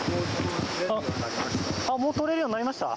通れるようになりました。